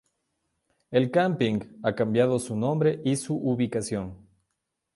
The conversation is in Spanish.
El camping ha cambiado su nombre y su ubicación.